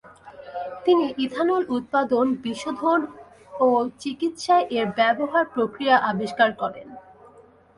তিনি ইথানল উৎপাদন, বিশোধন, ও চিকিৎসায় এর ব্যবহার প্রক্রিয়া আবিষ্কার করেন।